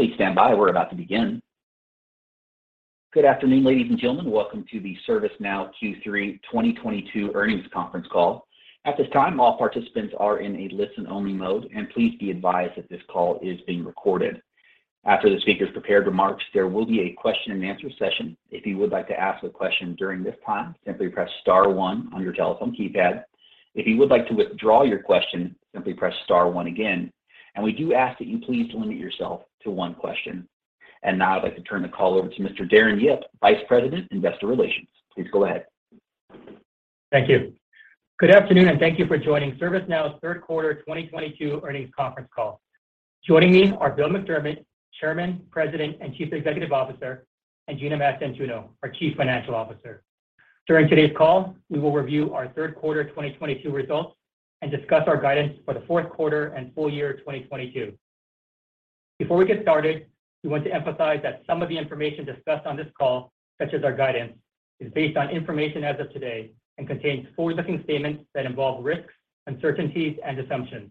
Please stand by. We're about to begin. Good afternoon, ladies and gentlemen. Welcome to the ServiceNow Q3 2022 earnings conference call. At this time, all participants are in a listen-only mode, and please be advised that this call is being recorded. After the speaker's prepared remarks, there will be a question and answer session. If you would like to ask a question during this time, simply press star one on your telephone keypad. If you would like to withdraw your question, simply press star one again, and we do ask that you please limit yourself to one question. Now I'd like to turn the call over to Mr. Darren Yip, Vice President, Investor Relations. Please go ahead. Thank you. Good afternoon, and thank you for joining ServiceNow's third quarter 2022 earnings conference call. Joining me are Bill McDermott, Chairman, President, and Chief Executive Officer, and Gina Mastantuono, our Chief Financial Officer. During today's call, we will review our third quarter 2022 results and discuss our guidance for the fourth quarter and full year of 2022. Before we get started, we want to emphasize that some of the information discussed on this call, such as our guidance, is based on information as of today and contains forward-looking statements that involve risks, uncertainties, and assumptions.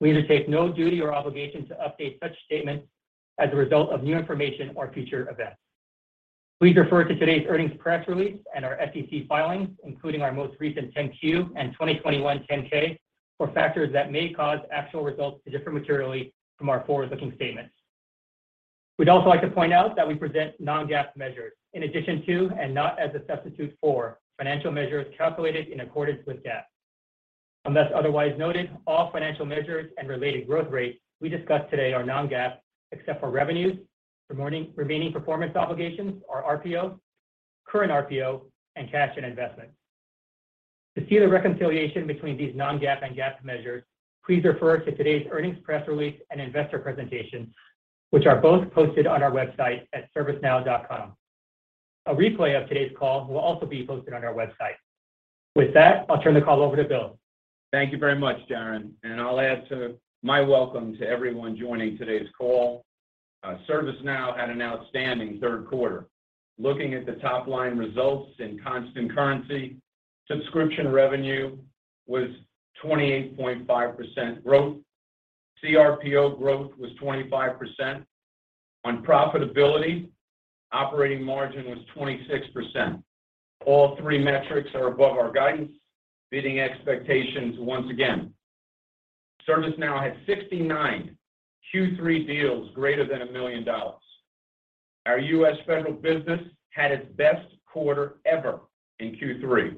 We undertake no duty or obligation to update such statements as a result of new information or future events. Please refer to today's earnings press release and our SEC filings, including our most recent Form 10-Q and 2021 Form 10-K for factors that may cause actual results to differ materially from our forward-looking statements. We'd also like to point out that we present non-GAAP measures in addition to, and not as a substitute for, financial measures calculated in accordance with GAAP. Unless otherwise noted, all financial measures and related growth rates we discussed today are non-GAAP, except for revenues, remaining performance obligations or RPO, current RPO, and cash and investment. To see the reconciliation between these non-GAAP and GAAP measures, please refer to today's earnings press release and investor presentation, which are both posted on our website at servicenow.com. A replay of today's call will also be posted on our website. With that, I'll turn the call over to Bill. Thank you very much, Darren, and I'll add to my welcome to everyone joining today's call. ServiceNow had an outstanding third quarter. Looking at the top-line results in constant currency, subscription revenue was 28.5% growth. CRPO growth was 25%. On profitability, operating margin was 26%. All three metrics are above our guidance, beating expectations once again. ServiceNow had 69 Q3 deals greater than $1 million. Our U.S. federal business had its best quarter ever in Q3.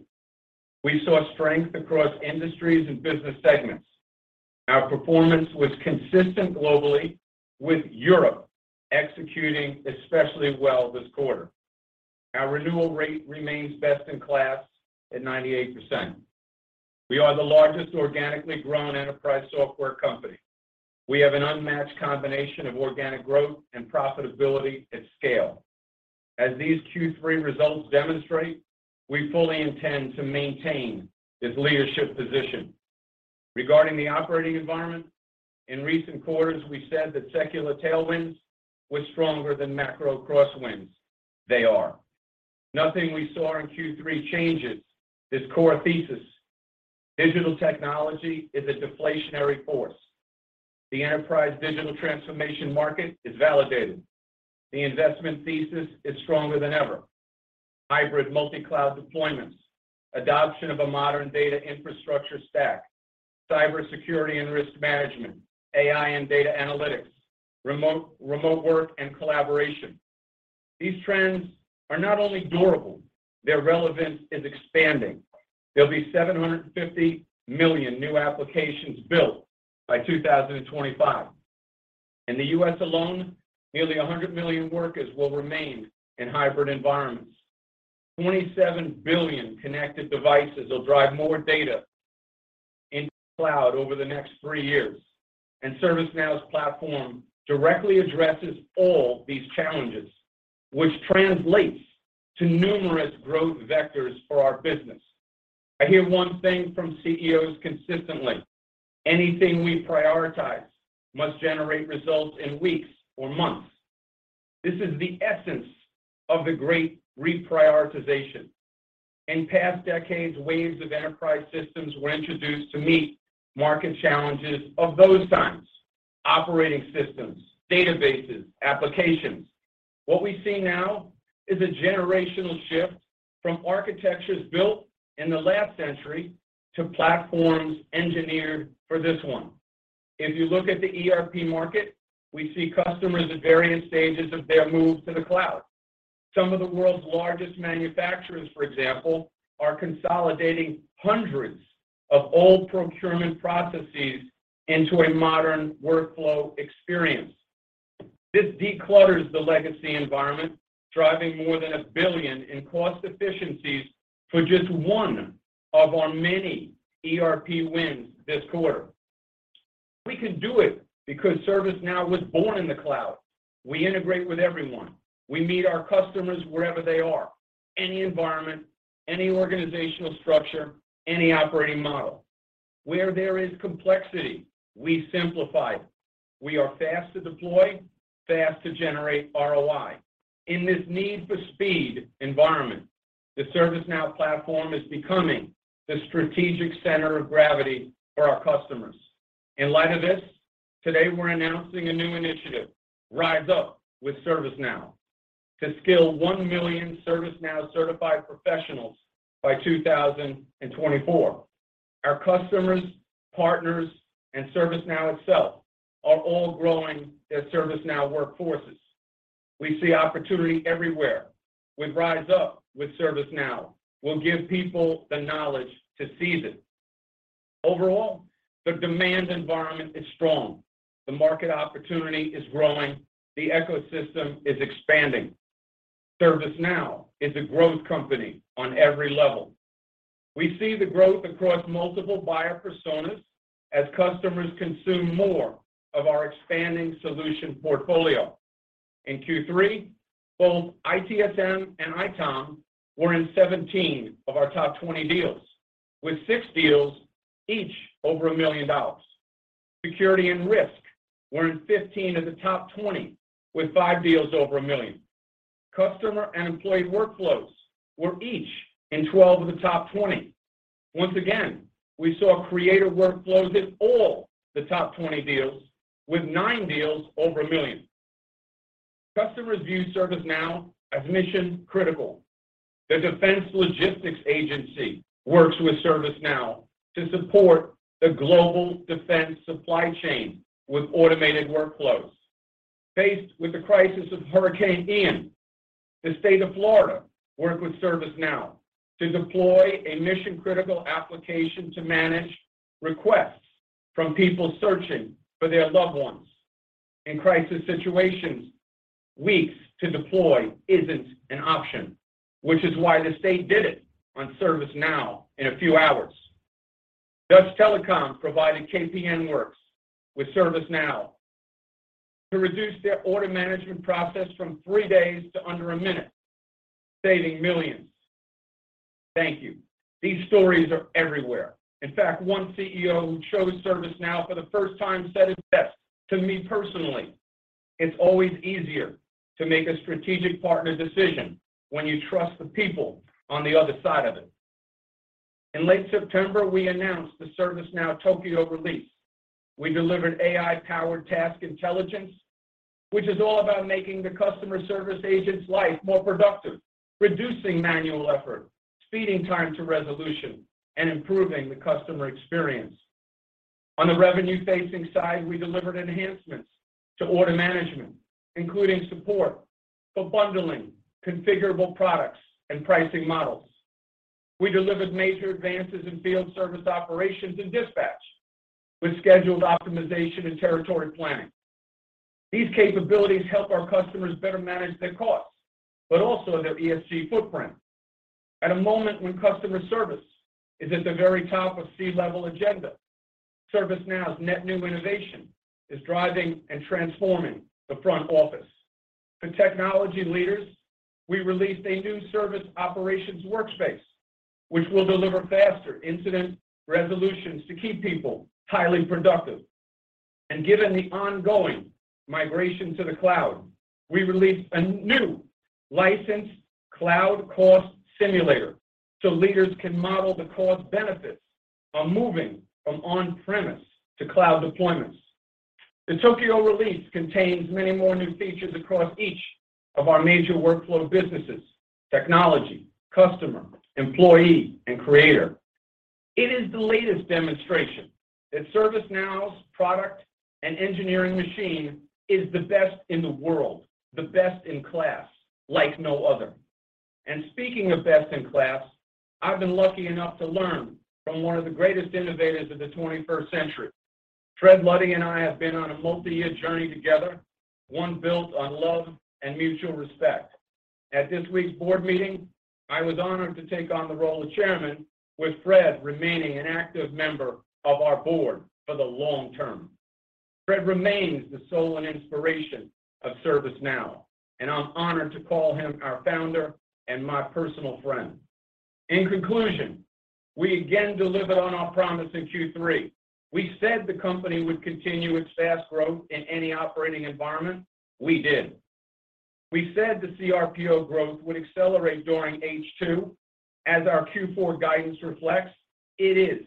We saw strength across industries and business segments. Our performance was consistent globally, with Europe executing especially well this quarter. Our renewal rate remains best in class at 98%. We are the largest organically grown enterprise software company. We have an unmatched combination of organic growth and profitability at scale. As these Q3 results demonstrate, we fully intend to maintain this leadership position. Regarding the operating environment, in recent quarters, we said that secular tailwinds were stronger than macro crosswinds. They are. Nothing we saw in Q3 changes this core thesis. Digital technology is a deflationary force. The enterprise digital transformation market is validated. The investment thesis is stronger than ever. Hybrid multi-cloud deployments, adoption of a modern data infrastructure stack, cybersecurity and risk management, AI and data analytics, remote work and collaboration. These trends are not only durable, their relevance is expanding. There'll be 750 million new applications built by 2025. In the U.S. alone, nearly 100 million workers will remain in hybrid environments. 27 billion connected devices will drive more data into cloud over the next three years. ServiceNow's platform directly addresses all these challenges, which translates to numerous growth vectors for our business. I hear one thing from CEOs consistently. Anything we prioritize must generate results in weeks or months. This is the essence of the great reprioritization. In past decades, waves of enterprise systems were introduced to meet market challenges of those times. Operating systems, databases, applications. What we see now is a generational shift from architectures built in the last century to platforms engineered for this one. If you look at the ERP market, we see customers at various stages of their move to the cloud. Some of the world's largest manufacturers, for example, are consolidating hundreds of old procurement processes into a modern workflow experience. This declutters the legacy environment, driving more than $1 billion in cost efficiencies for just one of our many ERP wins this quarter. We can do it because ServiceNow was born in the cloud. We integrate with everyone. We meet our customers wherever they are, any environment, any organizational structure, any operating model. Where there is complexity, we simplify. We are fast to deploy, fast to generate ROI. In this need for speed environment. The ServiceNow platform is becoming the strategic center of gravity for our customers. In light of this, today we're announcing a new initiative, RiseUp with ServiceNow, to skill 1 million ServiceNow-certified professionals by 2024. Our customers, partners, and ServiceNow itself are all growing their ServiceNow workforces. We see opportunity everywhere. With RiseUp with ServiceNow, we'll give people the knowledge to seize it. Overall, the demand environment is strong. The market opportunity is growing. The ecosystem is expanding. ServiceNow is a growth company on every level. We see the growth across multiple buyer personas as customers consume more of our expanding solution portfolio. In Q3, both ITSM and ITOM were in 17 of our top 20 deals, with six deals each over $1 million. Security and risk were in 15 of the top 20, with five deals over $1 million. Customer and employee workflows were each in 12 of the top 20. Once again, we saw creator workflows in all the top 20 deals, with nine deals over $1 million. Customers view ServiceNow as mission-critical. The Defense Logistics Agency works with ServiceNow to support the global defense supply chain with automated workflows. Faced with the crisis of Hurricane Ian, the state of Florida worked with ServiceNow to deploy a mission-critical application to manage requests from people searching for their loved ones. In crisis situations, weeks to deploy isn't an option, which is why the state did it on ServiceNow in a few hours. KPN works with ServiceNow to reduce their order management process from three days to under a minute, saving millions. Thank you. These stories are everywhere. In fact, one CEO who chose ServiceNow for the first time said it best to me personally, "It's always easier to make a strategic partner decision when you trust the people on the other side of it." In late September, we announced the ServiceNow Tokyo release. We delivered AI-powered task intelligence, which is all about making the customer service agent's life more productive, reducing manual effort, speeding time to resolution, and improving the customer experience. On the revenue-facing side, we delivered enhancements to order management, including support for bundling configurable products and pricing models. We delivered major advances in field service operations and dispatch with scheduled optimization and territory planning. These capabilities help our customers better manage their costs, but also their ESG footprint. At a moment when customer service is at the very top of C-level agenda, ServiceNow's net new innovation is driving and transforming the front office. For technology leaders, we released a new Service Operations Workspace, which will deliver faster incident resolutions to keep people highly productive. Given the ongoing migration to the cloud, we released a new licensed cloud cost simulator, so leaders can model the cost benefits of moving from on-premise to cloud deployments. The Tokyo release contains many more new features across each of our major workflow businesses, technology, customer, employee, and creator. It is the latest demonstration that ServiceNow's product and engineering machine is the best in the world, the best-in-class like no other. Speaking of best-in-class, I've been lucky enough to learn from one of the greatest innovators of the 21st century. Fred Luddy and I have been on a multi-year journey together, one built on love and mutual respect. At this week's board meeting, I was honored to take on the role of chairman with Fred remaining an active member of our board for the long term. Fred remains the soul and inspiration of ServiceNow, and I'm honored to call him our founder and my personal friend. In conclusion, we again delivered on our promise in Q3. We said the company would continue its fast growth in any operating environment. We did. We said the CRPO growth would accelerate during H2 as our Q4 guidance reflects. It is.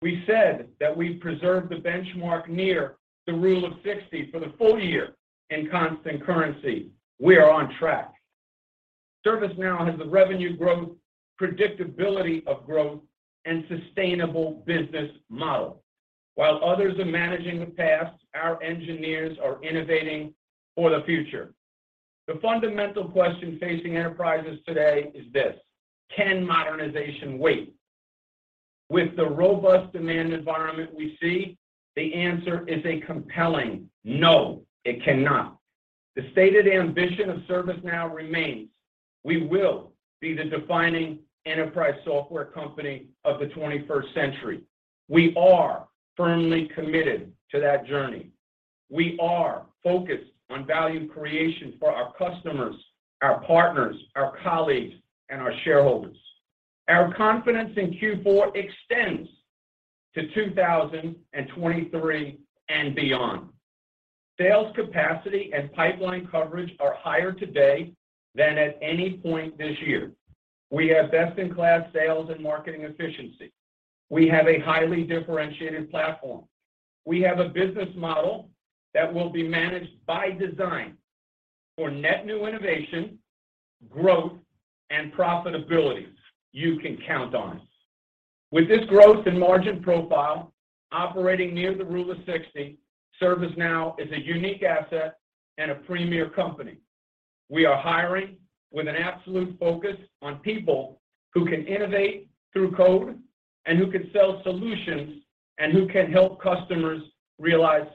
We said that we'd preserve the benchmark near the rule of 60 for the full year in constant currency. We are on track. ServiceNow has the revenue growth, predictability of growth, and sustainable business model. While others are managing the past, our engineers are innovating for the future. The fundamental question facing enterprises today is this. Can modernization wait? With the robust demand environment we see, the answer is a compelling no, it cannot. The stated ambition of ServiceNow remains. We will be the defining enterprise software company of the 21st century. We are firmly committed to that journey. We are focused on value creation for our customers, our partners, our colleagues, and our shareholders. Our confidence in Q4 extends to 2023 and beyond. Sales capacity and pipeline coverage are higher today than at any point this year. We have best-in-class sales and marketing efficiency. We have a highly differentiated platform. We have a business model that will be managed by design for net new innovation, growth, and profitability you can count on. With this growth and margin profile, operating near the rule of 60, ServiceNow is a unique asset and a premier company. We are hiring with an absolute focus on people who can innovate through code and who can sell solutions, and who can help customers realize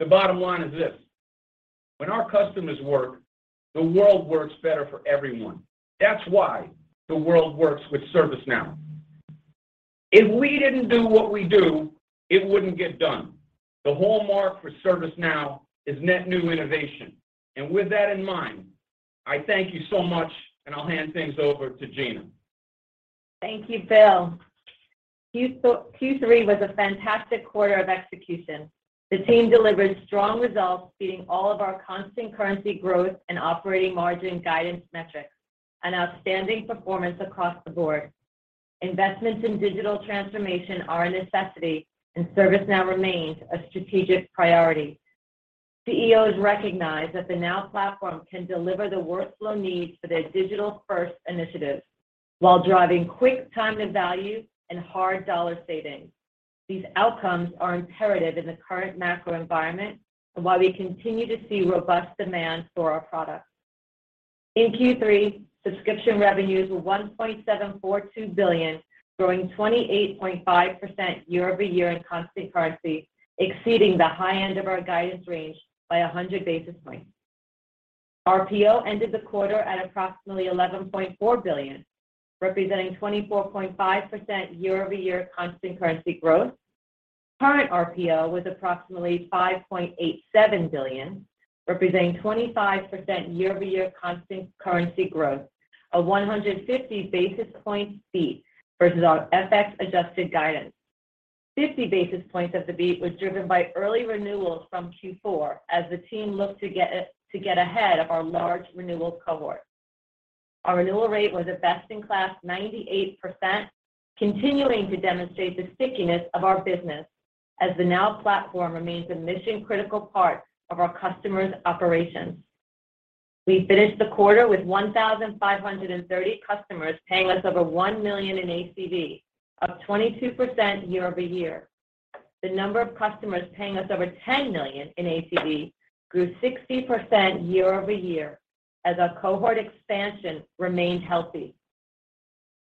success. The bottom line is this, when our customers work, the world works better for everyone. That's why the world works with ServiceNow. If we didn't do what we do, it wouldn't get done. The hallmark for ServiceNow is net new innovation. With that in mind, I thank you so much, and I'll hand things over to Gina. Thank you, Bill. Q3 was a fantastic quarter of execution. The team delivered strong results, beating all of our constant currency growth and operating margin guidance metrics, an outstanding performance across the board. Investments in digital transformation are a necessity, and ServiceNow remains a strategic priority. CEOs recognize that the Now Platform can deliver the workflow needs for their digital-first initiatives while driving quick time to value and hard dollar savings. These outcomes are imperative in the current macro environment and why we continue to see robust demand for our products. In Q3, subscription revenues were $1.742 billion, growing 28.5% year-over-year in constant currency, exceeding the high end of our guidance range by 100 basis points. RPO ended the quarter at approximately $11.4 billion, representing 24.5% year-over-year constant currency growth. Current RPO was approximately $5.87 billion, representing 25% year-over-year constant currency growth, a 150 basis point beat versus our FX-adjusted guidance. 50 basis points of the beat was driven by early renewals from Q4 as the team looked to get ahead of our large renewal cohort. Our renewal rate was a best-in-class 98%, continuing to demonstrate the stickiness of our business as the Now Platform remains a mission-critical part of our customers' operations. We finished the quarter with 1,530 customers paying us over $1 million in ACV, up 22% year-over-year. The number of customers paying us over $10 million in ACV grew 60% year-over-year as our cohort expansion remained healthy.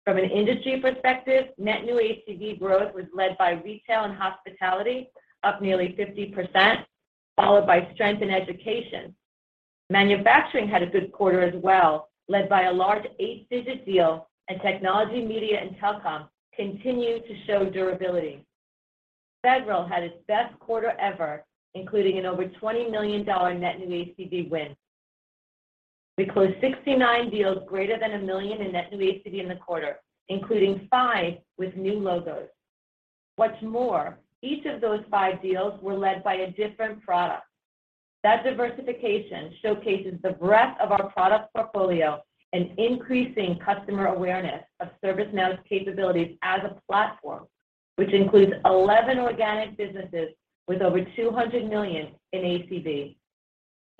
From an industry perspective, net new ACV growth was led by retail and hospitality, up nearly 50%, followed by strength in education. Manufacturing had a good quarter as well, led by a large eight-digit deal, and technology, media, and telecom continued to show durability. Federal had its best quarter ever, including an over $20 million net new ACV win. We closed 69 deals greater than $1 million in net new ACV in the quarter, including five with new logos. What's more, each of those five deals were led by a different product. That diversification showcases the breadth of our product portfolio and increasing customer awareness of ServiceNow's capabilities as a platform, which includes 11 organic businesses with over $200 million in ACV.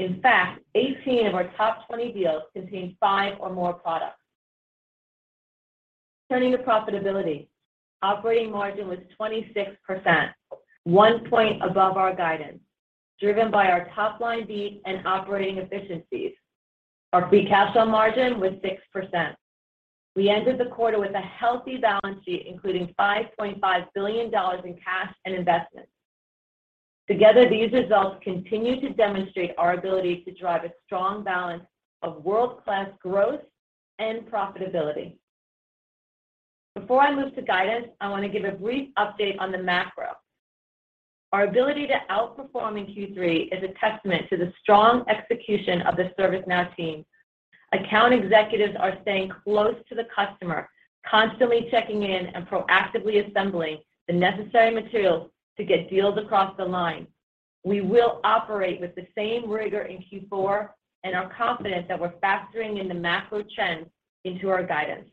In fact, 18 of our top 20 deals contained five or more products. Turning to profitability, operating margin was 26%, one point above our guidance, driven by our top-line beat and operating efficiencies. Our free cash flow margin was 6%. We ended the quarter with a healthy balance sheet, including $5.5 billion in cash and investments. Together, these results continue to demonstrate our ability to drive a strong balance of world-class growth and profitability. Before I move to guidance, I want to give a brief update on the macro. Our ability to outperform in Q3 is a testament to the strong execution of the ServiceNow team. Account executives are staying close to the customer, constantly checking in and proactively assembling the necessary materials to get deals across the line. We will operate with the same rigor in Q4 and are confident that we're factoring in the macro trends into our guidance.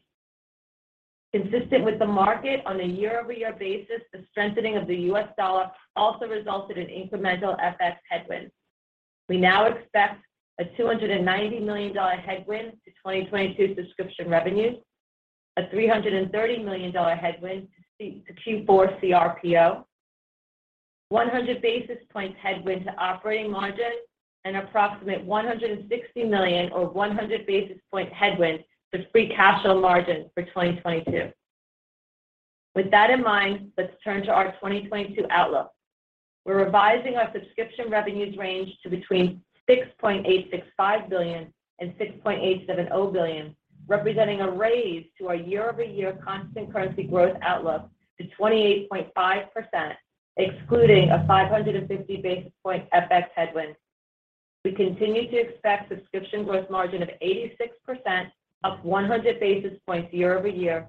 Consistent with the market on a year-over-year basis, the strengthening of the U.S. dollar also resulted in incremental FX headwinds. We now expect a $290 million headwind to 2022 subscription revenues, a $330 million headwind to Q4 CRPO, 100 basis points headwind to operating margin, and approximate $160 million or 100 basis points headwind to free cash flow margin for 2022. With that in mind, let's turn to our 2022 outlook. We're revising our subscription revenues range to between $6.865 billion and $6.87 billion, representing a raise to our year-over-year constant currency growth outlook to 28.5%, excluding a 550 basis points FX headwind. We continue to expect subscription growth margin of 86%, up 100 basis points year-over-year.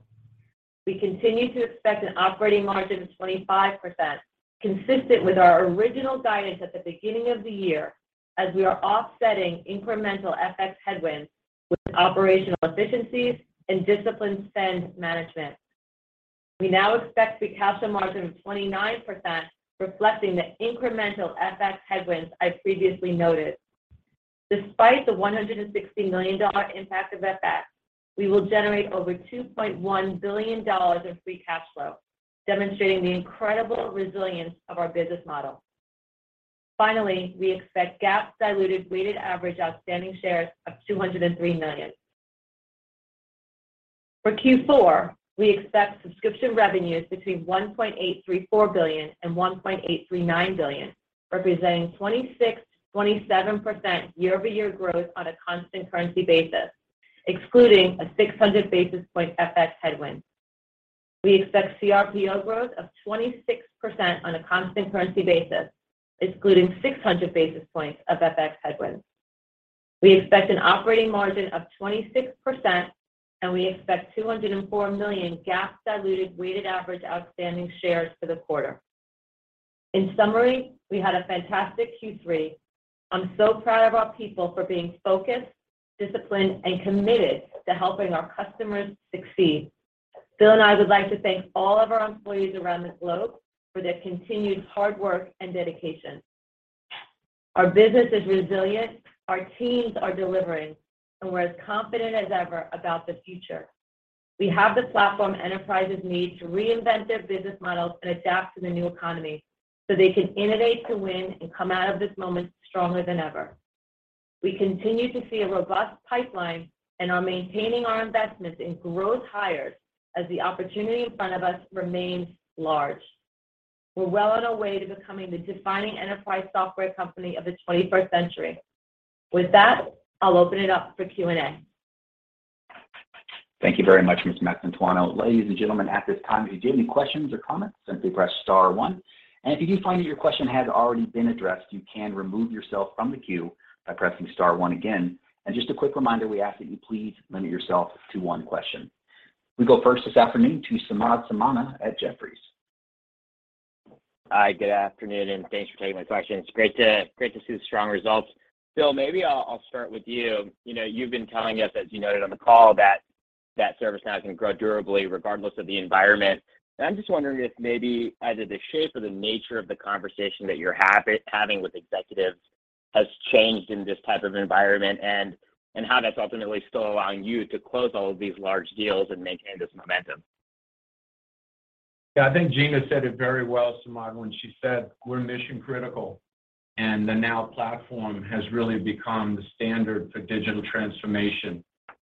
We continue to expect an operating margin of 25%, consistent with our original guidance at the beginning of the year, as we are offsetting incremental FX headwinds with operational efficiencies and disciplined spend management. We now expect free cash flow margin of 29%, reflecting the incremental FX headwinds I previously noted. Despite the $160 million impact of FX, we will generate over $2.1 billion of free cash flow, demonstrating the incredible resilience of our business model. Finally, we expect GAAP diluted weighted average outstanding shares of 203 million. For Q4, we expect subscription revenues between $1.834 billion and $1.839 billion, representing 26%-27% year-over-year growth on a constant currency basis, excluding a 600 basis point FX headwind. We expect CRPO growth of 26% on a constant currency basis, excluding 600 basis points of FX headwinds. We expect an operating margin of 26%, and we expect 204 million GAAP diluted weighted average outstanding shares for the quarter. In summary, we had a fantastic Q3. I'm so proud of our people for being focused, disciplined, and committed to helping our customers succeed. Bill and I would like to thank all of our employees around the globe for their continued hard work and dedication. Our business is resilient, our teams are delivering, and we're as confident as ever about the future. We have the platform enterprises need to reinvent their business models and adapt to the new economy so they can innovate to win and come out of this moment stronger than ever. We continue to see a robust pipeline and are maintaining our investments in growth hires as the opportunity in front of us remains large. We're well on our way to becoming the defining enterprise software company of the twenty-first century. With that, I'll open it up for Q and A. Thank you very much, Ms. Mastantuono. Ladies and gentlemen, at this time, if you do have any questions or comments, simply press star one. If you do find that your question has already been addressed, you can remove yourself from the queue by pressing star one again. Just a quick reminder, we ask that you please limit yourself to one question. We go first this afternoon to Samad Samana at Jefferies. Hi, good afternoon, and thanks for taking my questions. Great to see the strong results. Bill, maybe I'll start with you. You know, you've been telling us, as you noted on the call, that ServiceNow is gonna grow durably regardless of the environment. I'm just wondering if maybe either the shape or the nature of the conversation that you're having with executives has changed in this type of environment and how that's ultimately still allowing you to close all of these large deals and maintain this momentum. Yeah. I think Gina said it very well, Samad, when she said we're mission-critical, and the Now Platform has really become the standard for digital transformation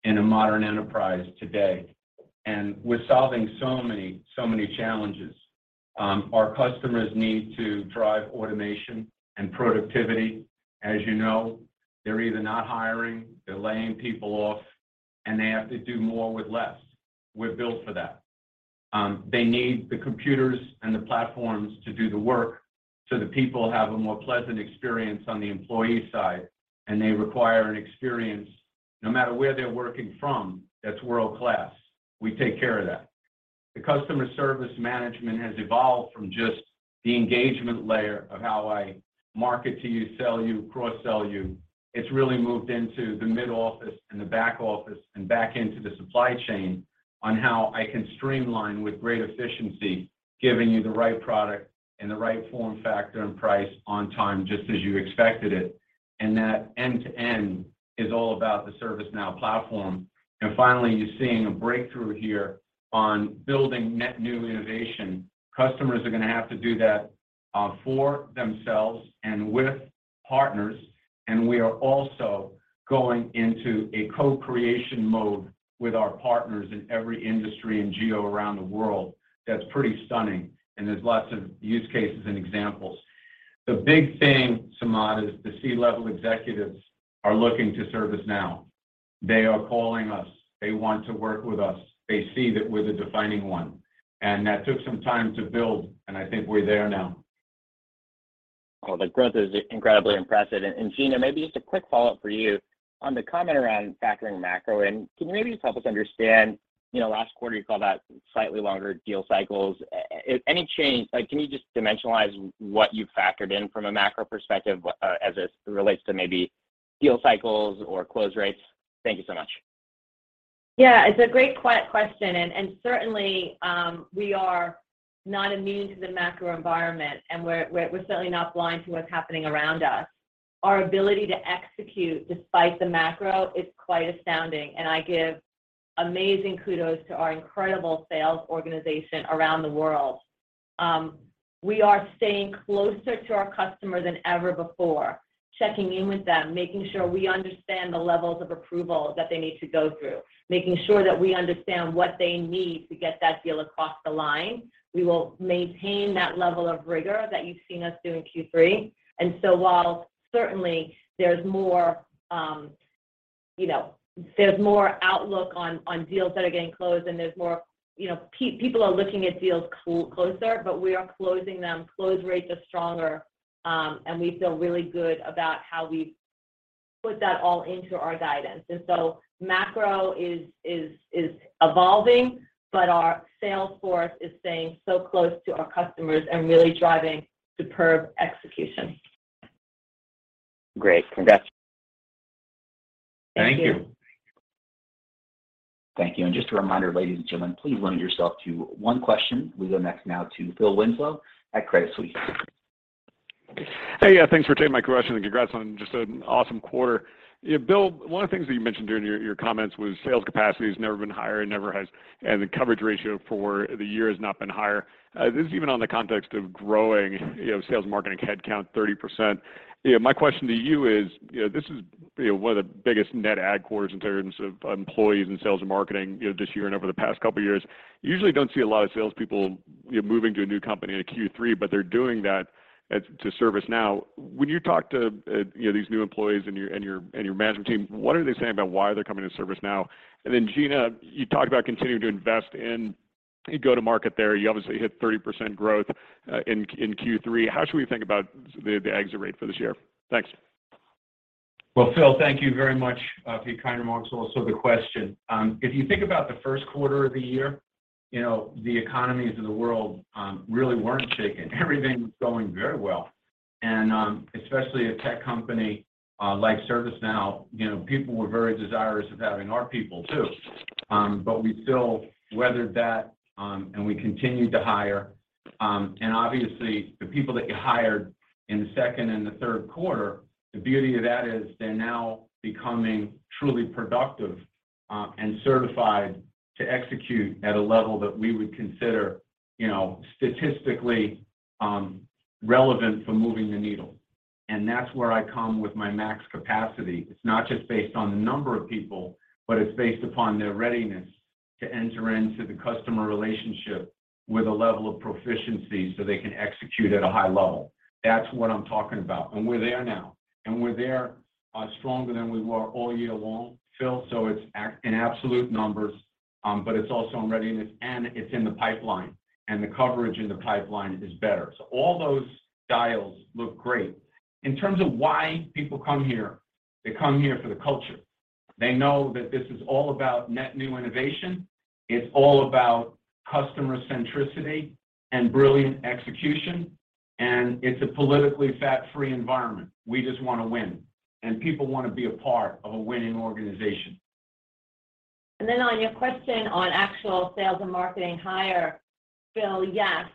in a modern enterprise today. We're solving so many challenges. Our customers need to drive automation and productivity. As you know, they're either not hiring, they're laying people off, and they have to do more with less. We're built for that. They need the computers and the platforms to do the work so the people have a more pleasant experience on the employee side, and they require an experience, no matter where they're working from, that's world-class. We take care of that. The customer service management has evolved from just the engagement layer of how I market to you, sell you, cross-sell you. It's really moved into the mid-office and the back-office and back into the supply chain on how I can streamline with great efficiency, giving you the right product in the right form factor and price on time just as you expected it. That end-to-end is all about the ServiceNow platform. Finally, you're seeing a breakthrough here on building net new innovation. Customers are gonna have to do that, for themselves and with partners. We are also going into a co-creation mode with our partners in every industry and geo around the world. That's pretty stunning, and there's lots of use cases and examples. The big thing, Samad, is the C-level executives are looking to ServiceNow. They are calling us. They want to work with us. They see that we're the defining one. That took some time to build, and I think we're there now. Well, the growth is incredibly impressive. Gina, maybe just a quick follow-up for you. On the comment around factoring macro in, can you maybe just help us understand, you know, last quarter you called out slightly longer deal cycles. Any change? Like, can you just dimensionalize what you've factored in from a macro perspective, as it relates to maybe deal cycles or close rates? Thank you so much. Yeah. It's a great question. Certainly, we are not immune to the macro environment, and we are certainly not blind to what's happening around us. Our ability to execute despite the macro is quite astounding, and I give amazing kudos to our incredible sales organization around the world. We are staying closer to our customer than ever before, checking in with them, making sure we understand the levels of approval that they need to go through, making sure that we understand what they need to get that deal across the line. We will maintain that level of rigor that you've seen us do in Q3. While certainly there's more, you know, there's more outlook on deals that are getting closed and there's more, you know, people are looking at deals closer, but we are closing them. Close rates are stronger, and we feel really good about how we've put that all into our guidance. Macro is evolving, but our sales force is staying so close to our customers and really driving superb execution. Great. Congrats. Thank you. Thank you. Thank you. Just a reminder, ladies and gentlemen, please limit yourself to one question. We go next now to Phil Winslow at Credit Suisse. Hey, yeah, thanks for taking my question, and congrats on just an awesome quarter. Bill, one of the things that you mentioned during your comments was sales capacity has never been higher and never has the coverage ratio for the year has not been higher. This is even in the context of growing, you know, sales and marketing headcount 30%. You know, my question to you is, you know, this is, you know, one of the biggest net add quarters in terms of employees in sales and marketing, you know, this year and over the past couple of years. You usually don't see a lot of salespeople, you know, moving to a new company in a Q3, but they're doing that to ServiceNow. When you talk to, you know, these new employees and your management team, what are they saying about why they're coming to ServiceNow? Then Gina, you talk about continuing to invest in go-to-market there. You obviously hit 30% growth in Q3. How should we think about the exit rate for this year? Thanks. Well, Phil, thank you very much for your kind remarks, also the question. If you think about the first quarter of the year, you know, the economies of the world really weren't shaking. Everything was going very well. Especially a tech company like ServiceNow, you know, people were very desirous of having our people too. We still weathered that, and we continued to hire. Obviously the people that you hired in the second and the third quarter, the beauty of that is they're now becoming truly productive, and certified to execute at a level that we would consider, you know, statistically relevant for moving the needle. That's where I come with my max capacity. It's not just based on the number of people, but it's based upon their readiness to enter into the customer relationship with a level of proficiency so they can execute at a high level. That's what I'm talking about. We're there now, stronger than we were all year long, Phil. It's in absolute numbers, but it's also in readiness, and it's in the pipeline, and the coverage in the pipeline is better. All those dials look great. In terms of why people come here, they come here for the culture. They know that this is all about net new innovation. It's all about customer centricity and brilliant execution, and it's a politically fat-free environment. We just wanna win, and people wanna be a part of a winning organization. Then on your question on actual sales and marketing hire, Phil, yes,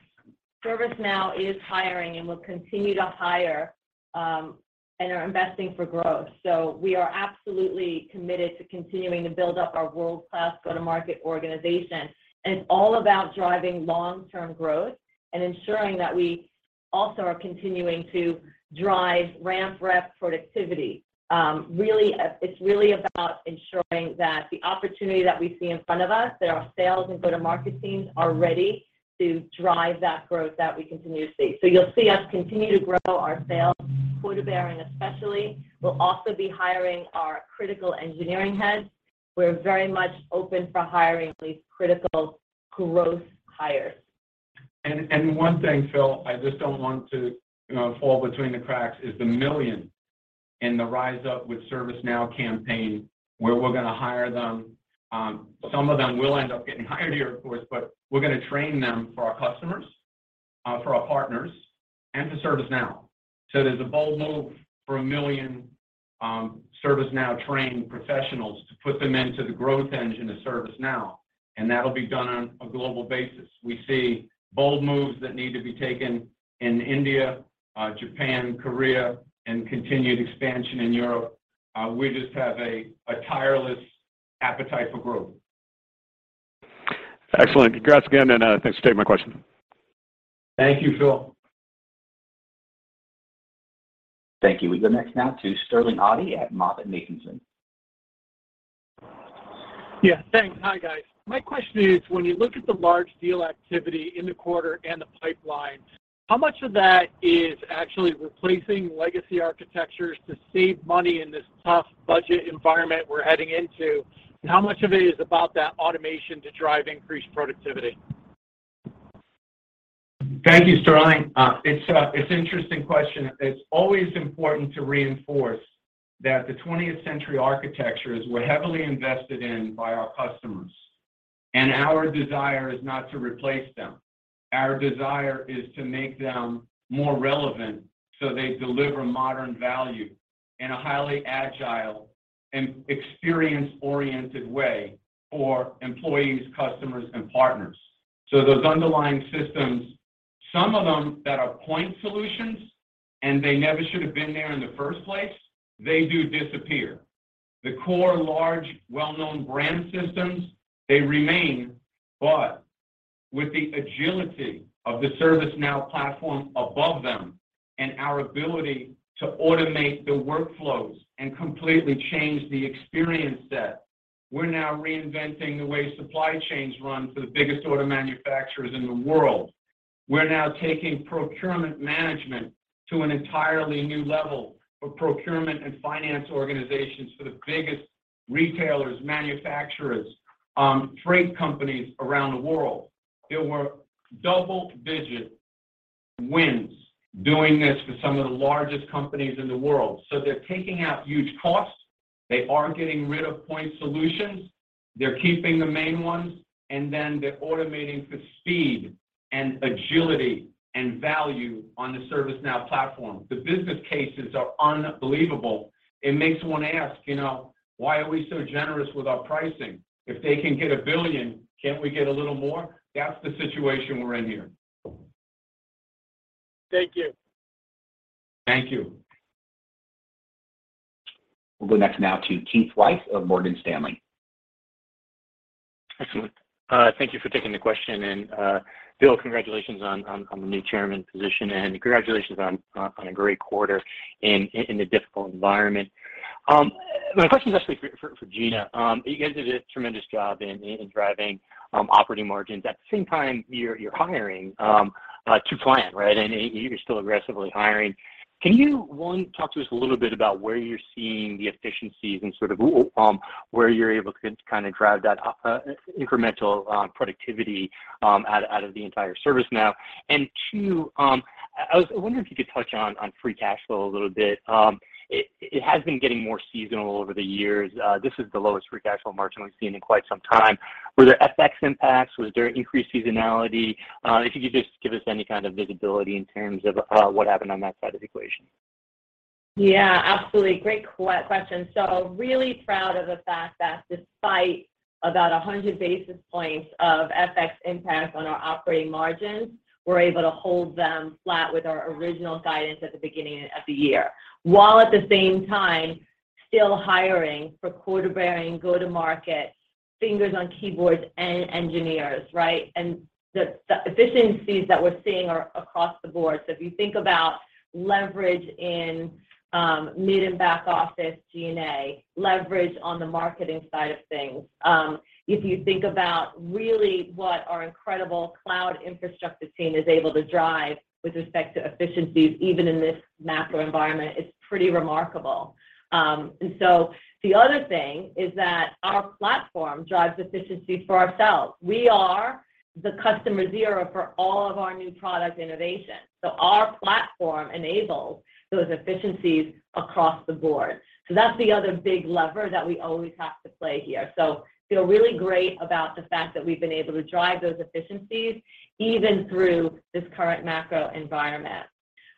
ServiceNow is hiring and will continue to hire, and are investing for growth. We are absolutely committed to continuing to build up our world-class go-to-market organization. It's all about driving long-term growth and ensuring that we also are continuing to drive ramp rep productivity. Really, it's really about ensuring that the opportunity that we see in front of us, that our sales and go-to-market teams are ready to drive that growth that we continue to see. You'll see us continue to grow our sales quarter-by-quarter especially. We'll also be hiring our critical engineering heads. We're very much open for hiring these critical growth hires. One thing, Phil, I just don't want to, you know, fall between the cracks is 1 million in the RiseUp with ServiceNow campaign, where we're gonna hire them. Some of them will end up getting hired here, of course, but we're gonna train them for our customers, for our partners, and for ServiceNow. There's a bold move for 1 million ServiceNow-trained professionals to put them into the growth engine of ServiceNow, and that'll be done on a global basis. We see bold moves that need to be taken in India, Japan, Korea, and continued expansion in Europe. We just have a tireless appetite for growth. Excellent. Congrats again, and, thanks for taking my question. Thank you, Phil. Thank you. We go next now to Sterling Auty at MoffettNathanson. Yeah. Thanks. Hi, guys. My question is, when you look at the large deal activity in the quarter and the pipeline, how much of that is actually replacing legacy architectures to save money in this tough budget environment we're heading into, and how much of it is about that automation to drive increased productivity? Thank you, Sterling. It's an interesting question. It's always important to reinforce that the twentieth-century architectures were heavily invested in by our customers, and our desire is not to replace them. Our desire is to make them more relevant so they deliver modern value in a highly agile and experience-oriented way for employees, customers, and partners. Those underlying systems, some of them that are point solutions, and they never should have been there in the first place, they do disappear. The core, large, well-known brand systems, they remain. With the agility of the ServiceNow platform above them and our ability to automate the workflows and completely change the experience set, we're now reinventing the way supply chains run for the biggest auto manufacturers in the world. We're now taking procurement management to an entirely new level for procurement and finance organizations for the biggest retailers, manufacturers, trade companies around the world. There were double-digit wins doing this for some of the largest companies in the world. They're taking out huge costs, they are getting rid of point solutions, they're keeping the main ones, and then they're automating for speed and agility and value on the ServiceNow platform. The business cases are unbelievable. It makes one ask, you know, why are we so generous with our pricing? If they can get $1 billion, can't we get a little more? That's the situation we're in here. Thank you. Thank you. We'll go next now to Keith Weiss of Morgan Stanley. Excellent. Thank you for taking the question. Bill, congratulations on the new chairman position, and congratulations on a great quarter in a difficult environment. My question is actually for Gina. You guys did a tremendous job in driving operating margins. At the same time, you're hiring to plan, right? You're still aggressively hiring. Can you, one, talk to us a little bit about where you're seeing the efficiencies and sort of where you're able to kind of drive that incremental productivity out of the entire ServiceNow? Two, I wonder if you could touch on free cash flow a little bit. It has been getting more seasonal over the years. This is the lowest free cash flow margin we've seen in quite some time. Were there FX impacts, was there increased seasonality? If you could just give us any kind of visibility in terms of what happened on that side of the equation. Yeah, absolutely. Great question. Really proud of the fact that despite about 100 basis points of FX impact on our operating margins, we're able to hold them flat with our original guidance at the beginning of the year, while at the same time still hiring for quota-bearing, go-to-market, fingers on keyboards and engineers, right? The efficiencies that we're seeing are across the board. If you think about leverage in mid and back office G&A, leverage on the marketing side of things, if you think about really what our incredible cloud infrastructure team is able to drive with respect to efficiencies, even in this macro environment, it's pretty remarkable. The other thing is that our platform drives efficiencies for ourselves. We are the customer zero for all of our new product innovation. Our platform enables those efficiencies across the board. That's the other big lever that we always have to play here. Feel really great about the fact that we've been able to drive those efficiencies even through this current macro environment.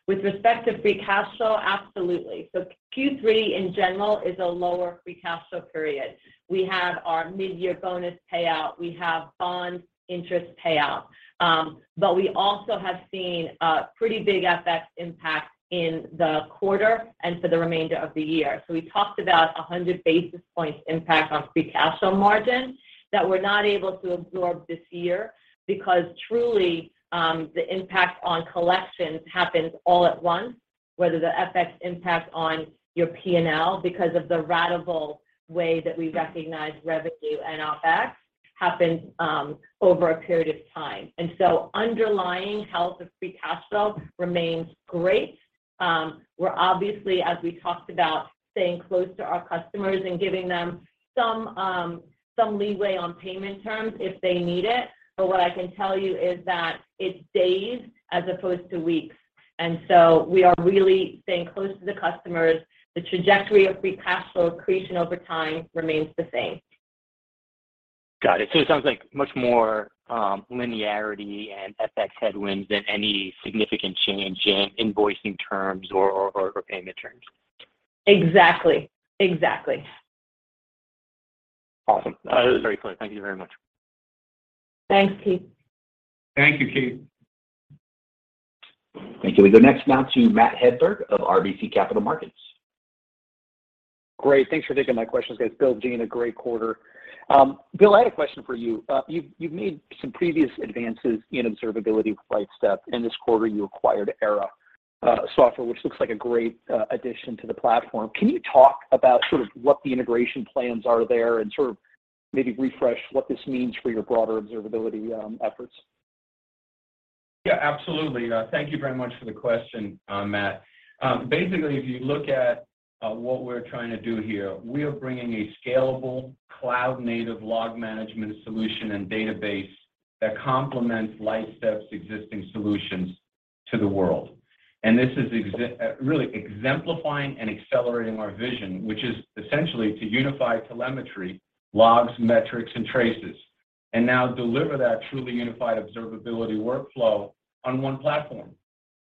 With respect to free cash flow, absolutely. Q3 in general is a lower free cash flow period. We have our mid-year bonus payout, we have bond interest payout. We also have seen a pretty big FX impact in the quarter and for the remainder of the year. We talked about 100 basis points impact on free cash flow margin that we're not able to absorb this year because truly, the impact on collections happens all at once, whether the FX impact on your P&L because of the ratable way that we recognize revenue and OpEx happens over a period of time. Underlying health of free cash flow remains great. We're obviously, as we talked about, staying close to our customers and giving them some some leeway on payment terms if they need it. What I can tell you is that it's days as opposed to weeks, and so we are really staying close to the customers. The trajectory of free cash flow creation over time remains the same. Got it. It sounds like much more linearity and FX headwinds than any significant change in invoicing terms or payment terms. Exactly. Awesome. That was very clear. Thank you very much. Thanks, Keith. Thank you, Keith. Thank you. We go next now to Matthew Hedberg of RBC Capital Markets. Great. Thanks for taking my questions, guys. Bill, Gina, great quarter. Bill, I had a question for you. You've made some previous advances in observability with Lightstep. In this quarter, you acquired Era Software, which looks like a great addition to the platform. Can you talk about sort of what the integration plans are there and sort of maybe refresh what this means for your broader observability efforts? Yeah, absolutely. Thank you very much for the question, Matt. Basically, if you look at what we're trying to do here, we are bringing a scalable cloud native log management solution and database that complements Lightstep's existing solutions to the world. This is really exemplifying and accelerating our vision, which is essentially to unify telemetry, logs, metrics, and traces, and now deliver that truly unified observability workflow on one platform.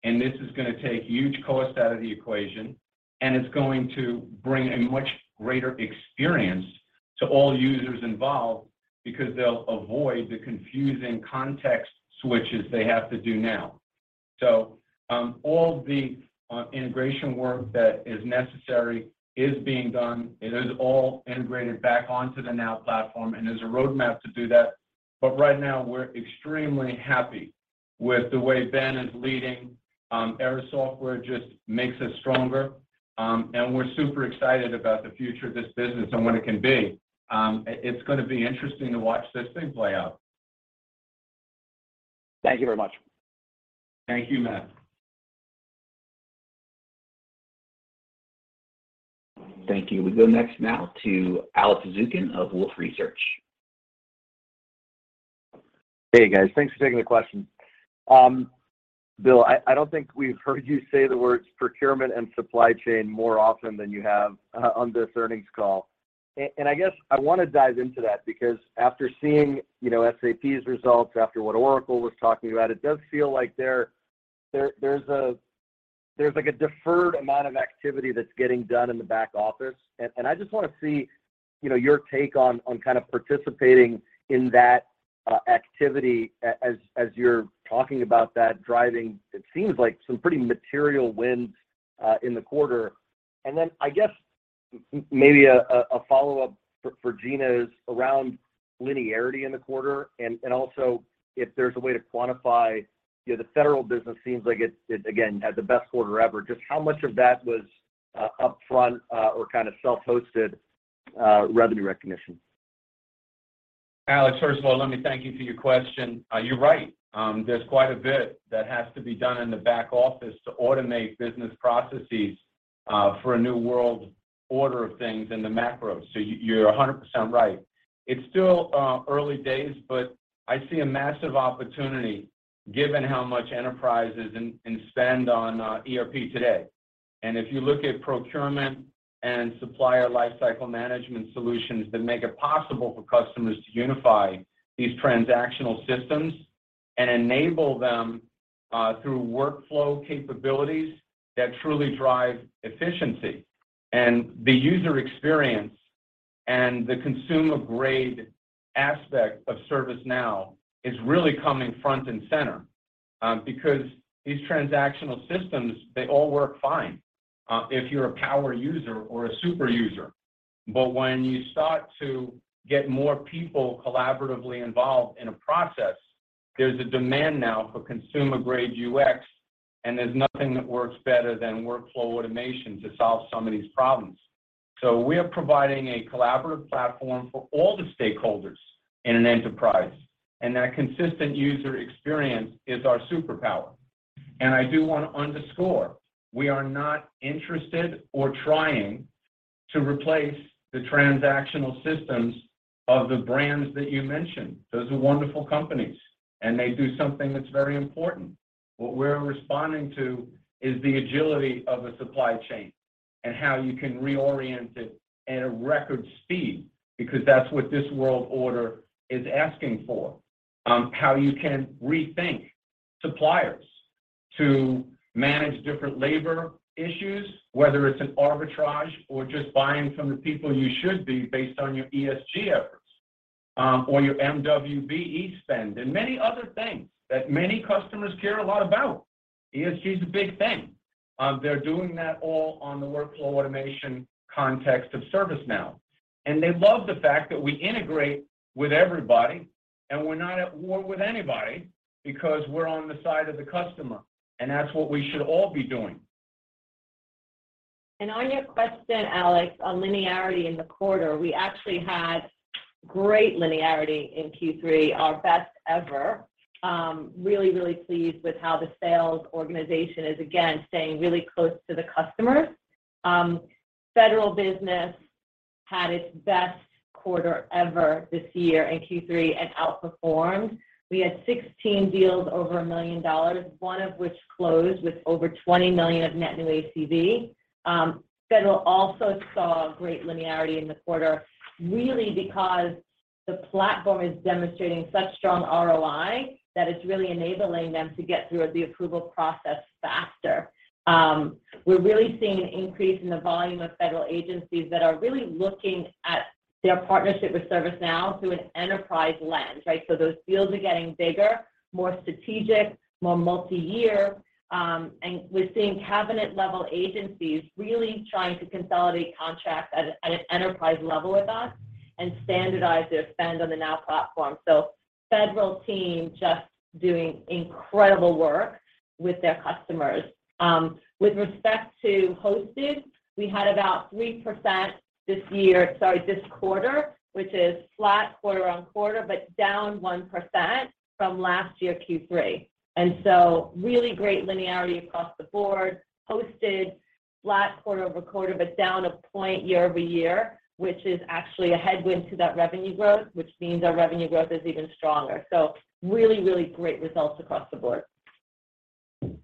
This is gonna take huge cost out of the equation, and it's going to bring a much greater experience to all users involved because they'll avoid the confusing context switches they have to do now. All the integration work that is necessary is being done. It is all integrated back onto the Now Platform, and there's a roadmap to do that. Right now we're extremely happy with the way Ben is leading. Era Software just makes us stronger. We're super excited about the future of this business and what it can be. It's gonna be interesting to watch this thing play out. Thank you very much. Thank you, Matt. Thank you. We go next now to Alex Zukin of Wolfe Research. Hey guys, thanks for taking the question. Bill, I don't think we've heard you say the words procurement and supply chain more often than you have on this earnings call. I guess I wanna dive into that because after seeing, you know, SAP's results, after what Oracle was talking about, it does feel like there's like a deferred amount of activity that's getting done in the back office. I just wanna see, you know, your take on kind of participating in that activity as you're talking about that driving what seems like some pretty material win in the quarter. I guess maybe a follow-up for Gina is around linearity in the quarter, and also if there's a way to quantify. You know, the federal business seems like it again had the best quarter ever. Just how much of that was upfront or kinda self-hosted revenue recognition? Alex, first of all, let me thank you for your question. You're right. There's quite a bit that has to be done in the back office to automate business processes for a new world order of things in the macro. You're 100% right. It's still early days, but I see a massive opportunity given how much enterprises spend on ERP today. If you look at procurement and supplier lifecycle management solutions that make it possible for customers to unify these transactional systems and enable them through workflow capabilities that truly drive efficiency. The user experience and the consumer-grade aspect of ServiceNow is really coming front and center because these transactional systems, they all work fine if you're a power user or a super user. When you start to get more people collaboratively involved in a process, there's a demand now for consumer-grade UX, and there's nothing that works better than workflow automation to solve some of these problems. We are providing a collaborative platform for all the stakeholders in an enterprise, and that consistent user experience is our superpower. I do wanna underscore, we are not interested or trying to replace the transactional systems of the brands that you mentioned. Those are wonderful companies, and they do something that's very important. What we're responding to is the agility of a supply chain and how you can reorient it at a record speed because that's what this world order is asking for. How you can rethink suppliers to manage different labor issues, whether it's an arbitrage or just buying from the people you should be based on your ESG efforts, or your MWBE spend, and many other things that many customers care a lot about. ESG's a big thing. They're doing that all on the workflow automation context of ServiceNow. They love the fact that we integrate with everybody, and we're not at war with anybody because we're on the side of the customer, and that's what we should all be doing. On your question, Alex, on linearity in the quarter, we actually had great linearity in Q3, our best ever. Really pleased with how the sales organization is again staying really close to the customers. Federal business had its best quarter ever this year in Q3 and outperformed. We had 16 deals over $1 million, one of which closed with over $20 million of net new ACV. Federal also saw great linearity in the quarter, really because the platform is demonstrating such strong ROI that it's really enabling them to get through the approval process faster. We're really seeing an increase in the volume of federal agencies that are really looking at their partnership with ServiceNow through an enterprise lens, right? Those deals are getting bigger, more strategic, more multi-year, and we're seeing cabinet-level agencies really trying to consolidate contracts at an enterprise level with us and standardize their spend on the Now Platform. Federal team just doing incredible work with their customers. With respect to hosted, we had about 3% this quarter, which is flat quarter-over-quarter, but down 1% from last year Q3. Really great linearity across the board. Hosted, flat quarter-over-quarter, but down a point year-over-year, which is actually a headwind to that revenue growth, which means our revenue growth is even stronger. Really, really great results across the board.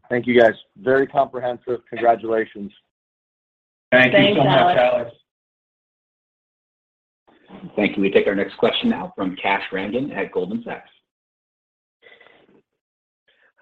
Thank you guys. Very comprehensive. Congratulations. Thank you so much, Alex. Thanks, Alex. Thank you. We take our next question now from Kash Rangan at Goldman Sachs.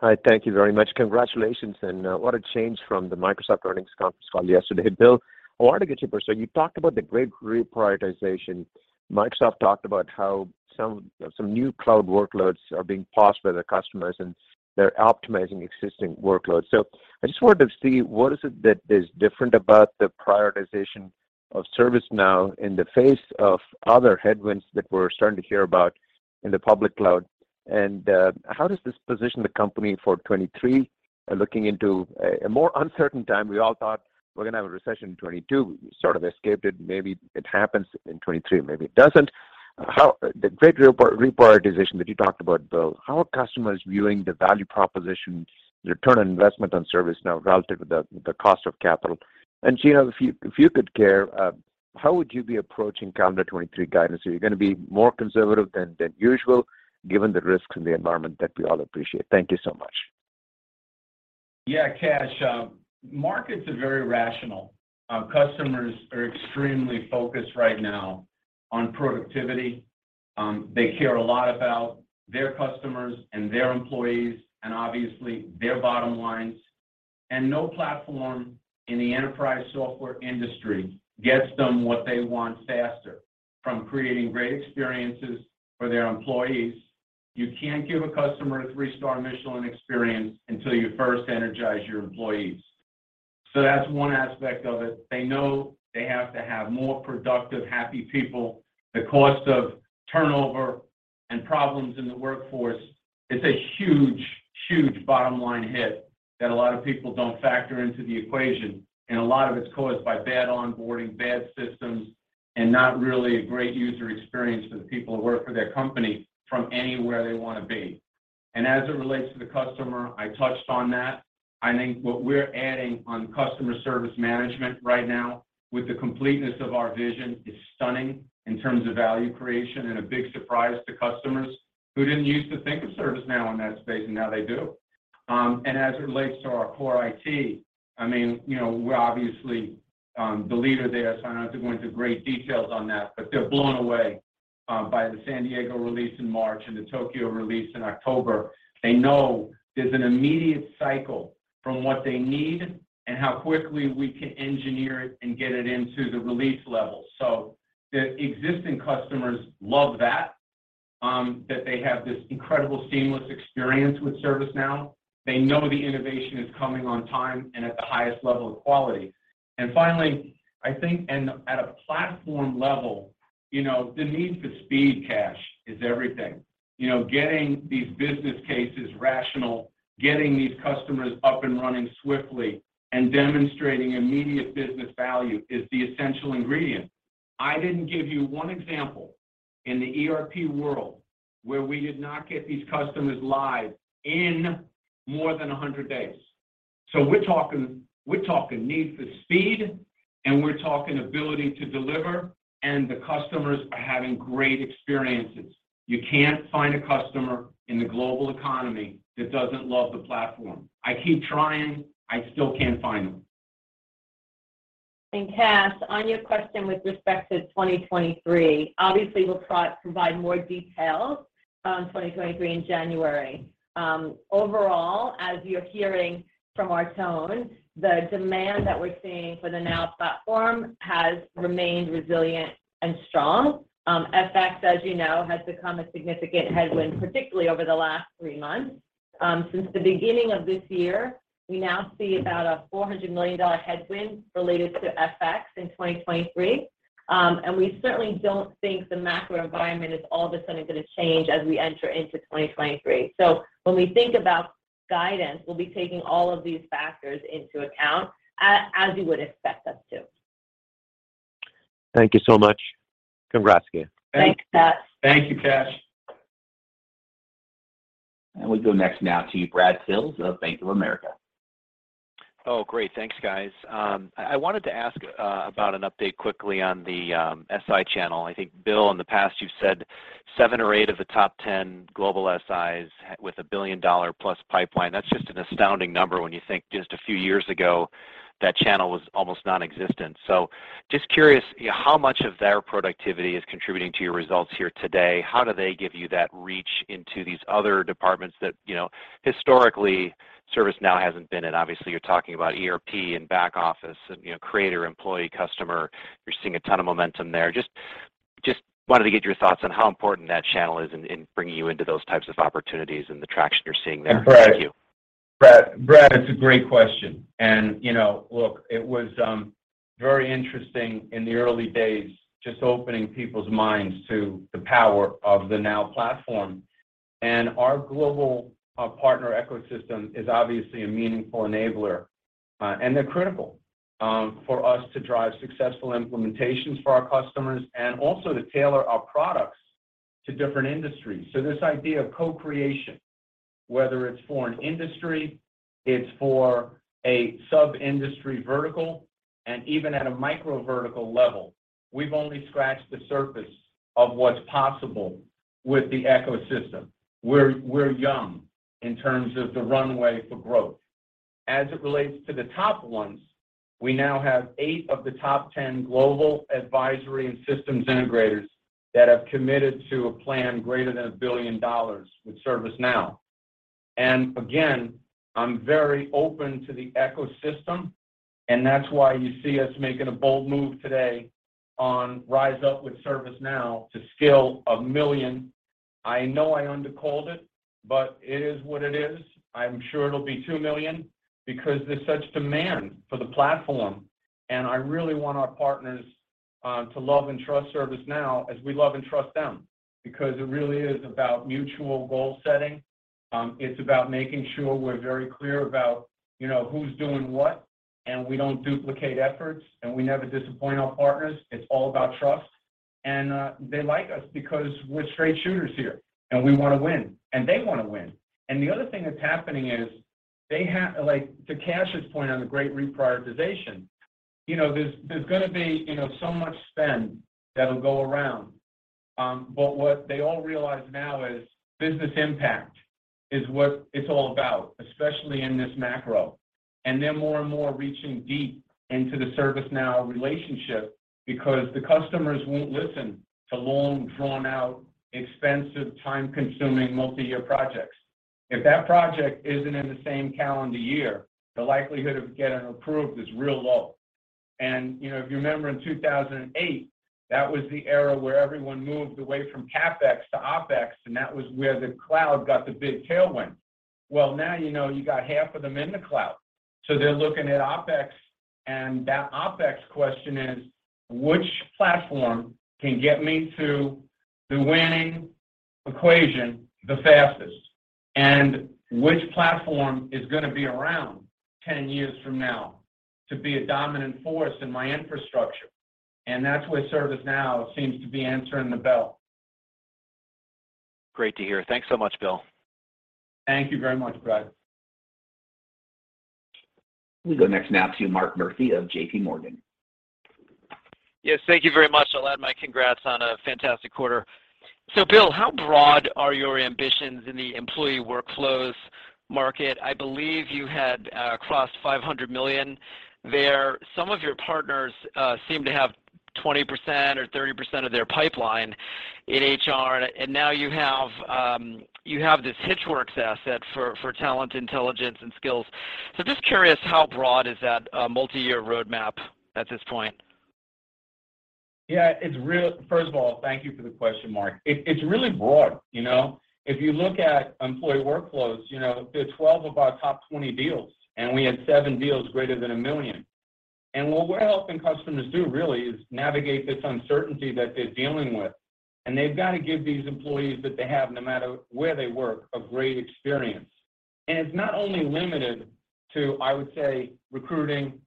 Hi, thank you very much. Congratulations, what a change from the Microsoft earnings conference call yesterday. Bill, I wanted to get to you first. You talked about the great reprioritization. Microsoft talked about how some new cloud workloads are being paused by their customers, and they're optimizing existing workloads. I just wanted to see what is it that is different about the prioritization of ServiceNow in the face of other headwinds that we're starting to hear about in the public cloud. How does this position the company for 2023, looking into a more uncertain time? We all thought we're gonna have a recession in 2022. We sort of escaped it. Maybe it happens in 2023, maybe it doesn't. How the great reprioritization that you talked about, Bill, how are customers viewing the value proposition, return on investment on ServiceNow relative to the cost of capital? Gina, if you could share, how would you be approaching calendar 2023 guidance? Are you gonna be more conservative than usual given the risks in the environment that we all appreciate? Thank you so much. Yeah, Kash, markets are very rational. Our customers are extremely focused right now on productivity. They care a lot about their customers and their employees and obviously their bottom lines. No platform in the enterprise software industry gets them what they want faster. From creating great experiences for their employees, you can't give a customer a three-star Michelin experience until you first energize your employees. That's one aspect of it. They know they have to have more productive, happy people. The cost of turnover and problems in the workforce is a huge, huge bottom-line hit that a lot of people don't factor into the equation, and a lot of it's caused by bad onboarding, bad systems, and not really a great user experience for the people who work for their company from anywhere they wanna be. As it relates to the customer, I touched on that. I think what we're adding on customer service management right now with the completeness of our vision is stunning in terms of value creation and a big surprise to customers who didn't use to think of ServiceNow in that space, and now they do. As it relates to our core IT, I mean, you know, we're obviously the leader there, so I don't have to go into great details on that. But they're blown away by the San Diego release in March and the Tokyo release in October. They know there's an immediate cycle from what they need and how quickly we can engineer it and get it into the release level. So the existing customers love that they have this incredible seamless experience with ServiceNow. They know the innovation is coming on time and at the highest level of quality. Finally, I think and at a platform level, you know, the need for speed, Kash, is everything. You know, getting these business cases rational, getting these customers up and running swiftly, and demonstrating immediate business value is the essential ingredient. I didn't give you one example in the ERP world where we did not get these customers live in more than 100 days. We're talking need for speed, and we're talking ability to deliver, and the customers are having great experiences. You can't find a customer in the global economy that doesn't love the platform. I keep trying, I still can't find them. Cash, on your question with respect to 2023, obviously we'll provide more details on 2023 in January. Overall, as you're hearing from our tone, the demand that we're seeing for the Now Platform has remained resilient and strong. FX, as you know, has become a significant headwind, particularly over the last three months. Since the beginning of this year, we now see about a $400 million headwind related to FX in 2023. We certainly don't think the macro environment is all of a sudden gonna change as we enter into 2023. When we think about guidance, we'll be taking all of these factors into account as you would expect us to. Thank you so much. Congrats, again. Thanks, Kash. Thank you, Kash. We go next now to Brad Sills of Bank of America. Oh, great. Thanks, guys. I wanted to ask about an update quickly on the SI channel. I think, Bill, in the past, you've said seven or eight of the top 10 global SIs with a billion-dollar+ pipeline. That's just an astounding number when you think just a few years ago, that channel was almost nonexistent. Just curious, how much of their productivity is contributing to your results here today? How do they give you that reach into these other departments that, you know, historically, ServiceNow hasn't been in. Obviously, you're talking about ERP and back office and, you know, creator, employee, customer. You're seeing a ton of momentum there. Just wanted to get your thoughts on how important that channel is in bringing you into those types of opportunities and the traction you're seeing there. Thank you. Brad, it's a great question. You know, look, it was very interesting in the early days just opening people's minds to the power of the Now Platform. Our global partner ecosystem is obviously a meaningful enabler. They're critical for us to drive successful implementations for our customers and also to tailor our products to different industries. This idea of co-creation, whether it's for an industry, it's for a sub-industry vertical, and even at a micro vertical level, we've only scratched the surface of what's possible with the ecosystem. We're young in terms of the runway for growth. As it relates to the top ones, we now have eight of the top ten global advisory and systems integrators that have committed to a plan greater than $1 billion with ServiceNow. Again, I'm very open to the ecosystem, and that's why you see us making a bold move today on RiseUp with ServiceNow to scale 1 million. I know I undercalled it, but it is what it is. I'm sure it'll be 2 million because there's such demand for the platform, and I really want our partners to love and trust ServiceNow as we love and trust them. Because it really is about mutual goal setting. It's about making sure we're very clear about, you know, who's doing what, and we don't duplicate efforts, and we never disappoint our partners. It's all about trust. They like us because we're straight shooters here, and we wanna win, and they wanna win. The other thing that's happening is they like, to Kash's point on the great reprioritization, you know, there's gonna be, you know, so much spend that'll go around. But what they all realize now is business impact is what it's all about, especially in this macro. They're more and more reaching deep into the ServiceNow relationship because the customers won't listen to long, drawn-out, expensive, time-consuming, multi-year projects. If that project isn't in the same calendar year, the likelihood of getting approved is real low. You know, if you remember in 2008, that was the era where everyone moved away from CapEx to OpEx, and that was where the cloud got the big tailwind. Well, now you know you got half of them in the cloud. They're looking at OpEx, and that OpEx question is, which platform can get me to the winning equation the fastest? Which platform is gonna be around 10 years from now to be a dominant force in my infrastructure? That's where ServiceNow seems to be answering the bell. Great to hear. Thanks so much, Bill. Thank you very much, Brad. We go next now to Mark Murphy of J.P. Morgan. Yes, thank you very much. I'll add my congrats on a fantastic quarter. Bill, how broad are your ambitions in the employee workflows market? I believe you had crossed $500 million there. Some of your partners seem to have 20% or 30% of their pipeline in HR, and now you have this Hitch Works asset for talent, intelligence, and skills. Just curious, how broad is that multi-year roadmap at this point? Yeah, it's real. First of all, thank you for the question, Mark. It's really broad, you know. If you look at employee workflows, you know, they're 12 of our top 20 deals, and we had seven deals greater than $1 million. What we're helping customers do really is navigate this uncertainty that they're dealing with. They've got to give these employees that they have, no matter where they work, a great experience. It's not only limited to, I would say, recruiting,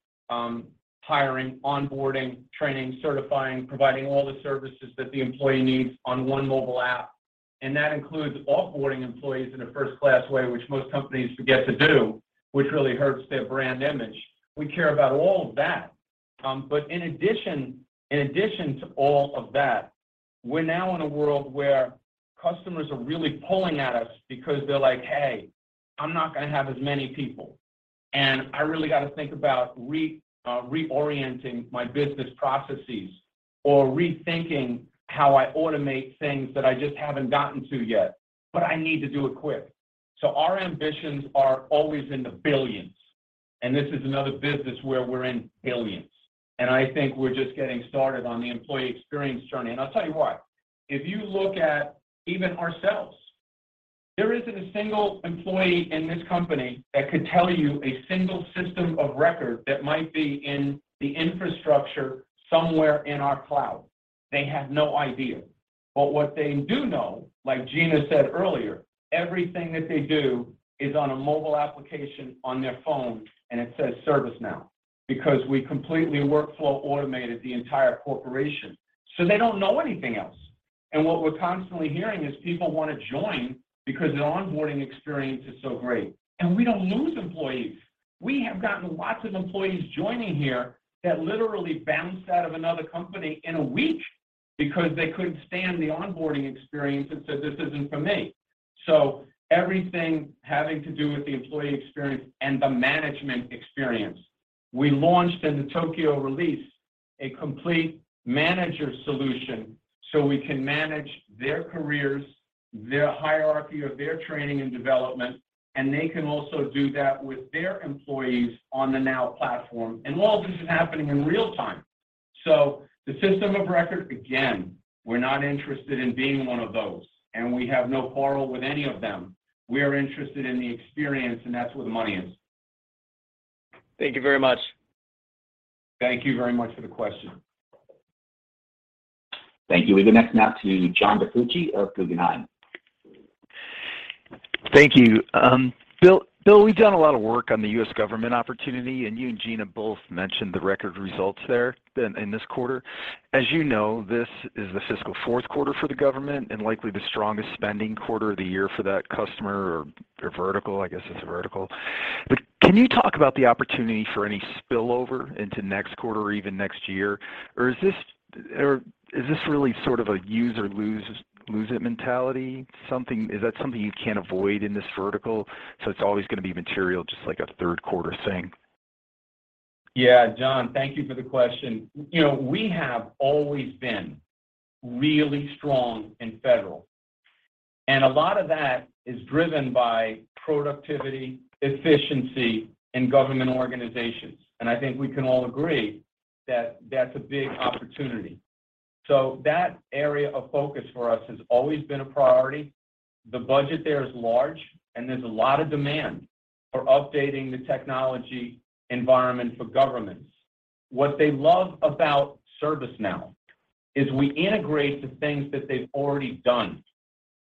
hiring, onboarding, training, certifying, providing all the services that the employee needs on one mobile app. That includes off-boarding employees in a first-class way, which most companies forget to do, which really hurts their brand image. We care about all of that. In addition to all of that, we're now in a world where customers are really pulling at us because they're like, "Hey, I'm not gonna have as many people, and I really got to think about reorienting my business processes or rethinking how I automate things that I just haven't gotten to yet. But I need to do it quick." Our ambitions are always in the billions, and this is another business where we're in billions. I think we're just getting started on the employee experience journey. I'll tell you why. If you look at even ourselves, there isn't a single employee in this company that could tell you a single system of record that might be in the infrastructure somewhere in our cloud. They have no idea. What they do know, like Gina said earlier, everything that they do is on a mobile application on their phone, and it says ServiceNow, because we completely workflow automated the entire corporation, so they don't know anything else. What we're constantly hearing is people wanna join because their onboarding experience is so great. We don't lose employees. We have gotten lots of employees joining here that literally bounced out of another company in a week because they couldn't stand the onboarding experience and said, "This isn't for me." Everything having to do with the employee experience and the management experience. We launched in the Tokyo release a complete manager solution, so we can manage their careers, their hierarchy of their training and development, and they can also do that with their employees on the Now Platform. All this is happening in real time. The system of record, again, we're not interested in being one of those, and we have no quarrel with any of them. We are interested in the experience, and that's where the money is. Thank you very much. Thank you very much for the question. Thank you. We go next now to John DiFucci of Guggenheim. Thank you. Bill, we've done a lot of work on the U.S. government opportunity, and you and Gina both mentioned the record results there in this quarter. As you know, this is the fiscal fourth quarter for the government and likely the strongest spending quarter of the year for that customer or vertical. I guess it's a vertical. Can you talk about the opportunity for any spillover into next quarter or even next year? Is this really sort of a use or lose it mentality something? Is that something you can't avoid in this vertical, so it's always going to be material just like a third quarter thing? Yeah. John, thank you for the question. You know, we have always been really strong in federal, and a lot of that is driven by productivity, efficiency in government organizations. I think we can all agree that that's a big opportunity. That area of focus for us has always been a priority. The budget there is large, and there's a lot of demand for updating the technology environment for governments. What they love about ServiceNow is we integrate the things that they've already done,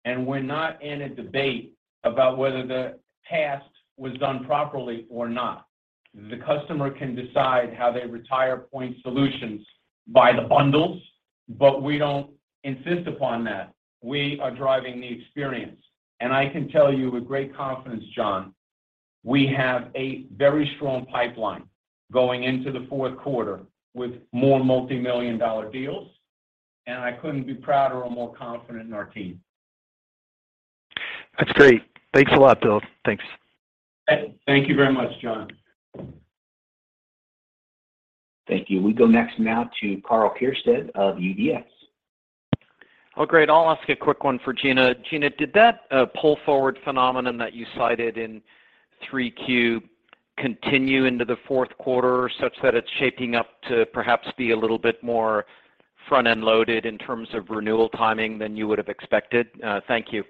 and we're not in a debate about whether the past was done properly or not. The customer can decide how they retire point solutions by the bundles, but we don't insist upon that. We are driving the experience. I can tell you with great confidence, John, we have a very strong pipeline going into the fourth quarter with more multi-million-dollar deals, and I couldn't be prouder or more confident in our team. That's great. Thanks a lot, Bill. Thanks. Thank you very much, John. Thank you. We go next now to Karl Keirstead of UBS. Oh, great. I'll ask a quick one for Gina. Gina, did that pull-forward phenomenon that you cited in Q3 continue into the fourth quarter such that it's shaping up to perhaps be a little bit more front-end loaded in terms of renewal timing than you would have expected? Thank you.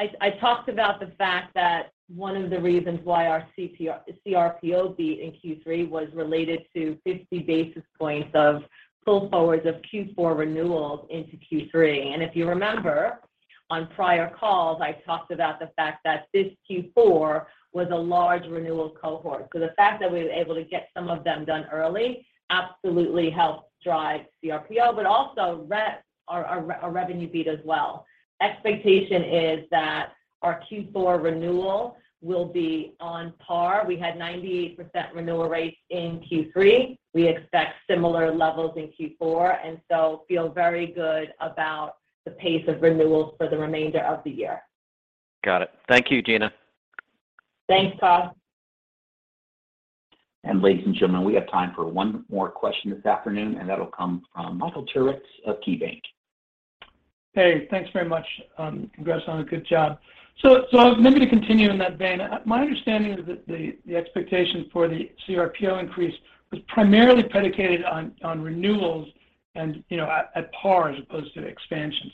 I talked about the fact that one of the reasons why our CRPO beat in Q3 was related to 50 basis points of pull forwards of Q4 renewals into Q3. If you remember on prior calls, I talked about the fact that this Q4 was a large renewal cohort. The fact that we were able to get some of them done early absolutely helped drive CRPO, but also our revenue beat as well. Expectation is that our Q4 renewal will be on par. We had 98% renewal rates in Q3. We expect similar levels in Q4, and so feel very good about the pace of renewals for the remainder of the year. Got it. Thank you, Gina. Thanks, Karl. Ladies and gentlemen, we have time for one more question this afternoon, and that'll come from Michael Turits of KeyBank. Hey, thanks very much. Congrats on a good job. Maybe to continue in that vein, my understanding is that the expectation for the CRPO increase was primarily predicated on renewals and, you know, at par as opposed to expansion.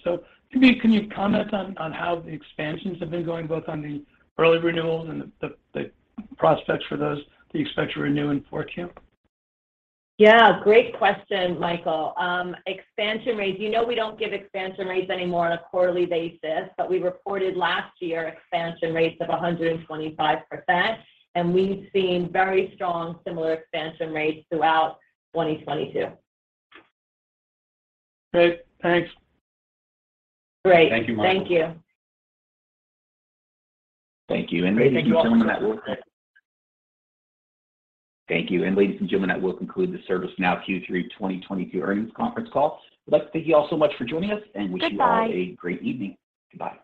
Can you comment on how the expansions have been going, both on the early renewals and the prospects for those that you expect to renew in Q4? Yeah, great question, Michael. Expansion rates. You know, we don't give expansion rates anymore on a quarterly basis, but we reported last year expansion rates of 125%, and we've seen very strong similar expansion rates throughout 2022. Great. Thanks. Great. Thank you, Michael. Thank you. Thank you. Ladies and gentlemen, that will Thank you all for that. Thank you. Ladies and gentlemen, that will conclude the ServiceNow Q3 2022 earnings conference call. I'd like to thank you all so much for joining us. Goodbye Wish you all a great evening. Goodbye.